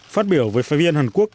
phát biểu với phê viên hàn quốc